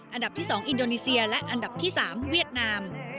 อันดับที่๒อินโดนีเซียและอันดับที่๓เวียดนาม